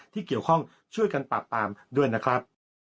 ที่เกี่ยวข้องช่วยกันปราบปรามด้วยนะครับ